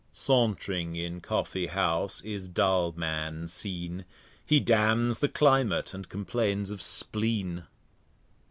Sauntring in Coffee house is Dulman seen; He damns the Climate, and complains of Spleen.